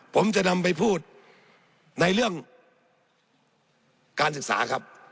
ผมจะนำไปพูดในเรื่องการศึกษาครับ